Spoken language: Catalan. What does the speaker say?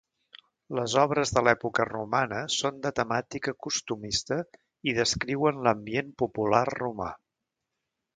Les obres de l'època romana són de temàtica costumista i descriuen l'ambient popular romà.